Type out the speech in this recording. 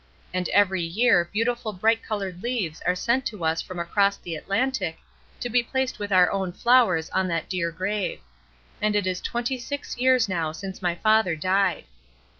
And every year beautiful bright coloured leaves are sent to us from across the Atlantic, to be placed with our own flowers on that dear grave; and it is twenty six years now since my father died!